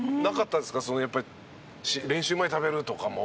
やっぱり練習前に食べるとかも。